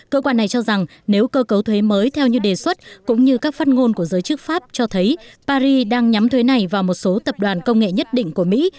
cơ quan này cho rằng nếu cơ cấu thuế mới theo như đề xuất cũng như các phát ngôn của giới chức pháp cho thấy paris đang nhắm thuế này vào một số tập đoàn công nghệ nhất định của mỹ